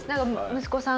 息子さん。